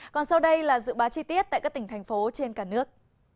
còn sau đây là dự báo chi tiết tại các tỉnh thành phố trên cả nước